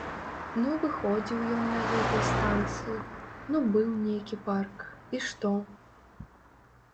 Ну, выходзіў ён на гэтай станцыі, ну, быў нейкі парк і што?